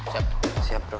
siap siap bro